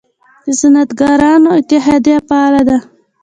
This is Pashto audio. د صنعتکارانو اتحادیه فعال ده؟